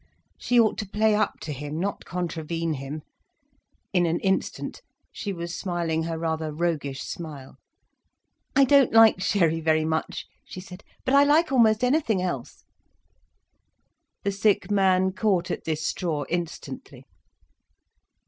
She ought to play up to him, not to contravene him. In an instant she was smiling her rather roguish smile. "I don't like sherry very much," she said. "But I like almost anything else." The sick man caught at this straw instantly.